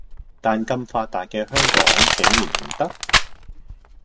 但咁發達嘅香港竟然唔得